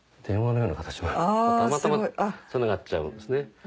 たまたまつながっちゃうんですね。